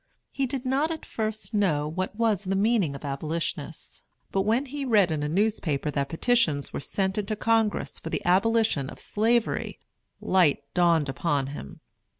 He did not at first know what was the meaning of "abolitionists"; but when he read in a newspaper that petitions were sent into Congress for the abolition of Slavery, light dawned upon him.